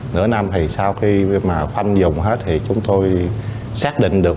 nửa năm thì sau khi mà khoanh dùng hết thì chúng tôi xác định được